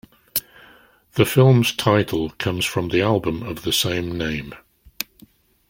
The film's title comes from the album of the same name.